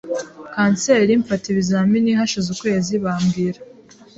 kanseri mfata ibizami hashize ukwezi bambwira